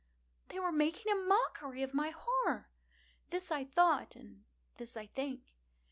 —they were making a mockery of my horror!—this I thought, and this I think.